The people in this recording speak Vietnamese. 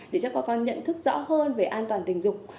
để cho các con nhận thức rõ hơn về an toàn tình dục